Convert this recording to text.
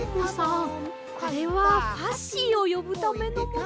これはファッシーをよぶためのものでして。